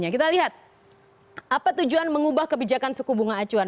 kita lihat apa tujuan mengubah kebijakan suku bunga acuan